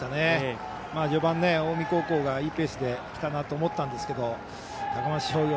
序盤、近江高校がいいペースで、きたなと思ったんですけど高松商業